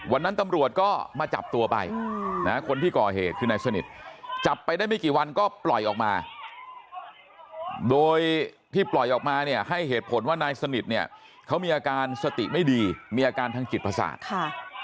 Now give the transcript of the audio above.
วันนั้นตำรวจก็มาจับตัวไปนะคนที่ก่อเหตุคือนายสนิทจับไปได้ไม่กี่วันก็ปล่อยออกมาโดยที่ปล่อยออกมาเนี่ยให้เหตุผลว่านายสนิทเนี่ยเขามีอาการสติไม่ดีมีอาการทางจิตประสาทค่ะ